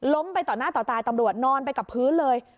ไปต่อหน้าต่อตาตำรวจนอนไปกับพื้นเลย